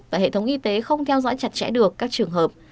và hệ thống y tế không theo dõi chặt chẽ được các trường hợp